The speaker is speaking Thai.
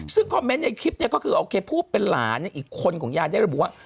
ซึ่งคอมเมนต์ในคลิปนี้ก็คือโอเคผู้เป็นหลานอีกคนของยายได้ระบุว่า